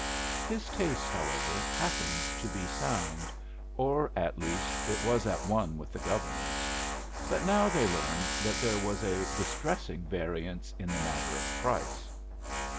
His taste, however, happened to be sound, or, at least, it was at one with the Governor's; but now they learned that there was a distressing variance in the matter of price.